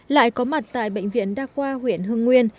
lại có mặt tại bệnh viện đa khoa huyện hưng nguyên